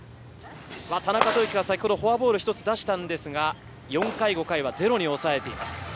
田中豊樹はフォアボール一つ出したんですが、４回・５回はゼロに抑えています。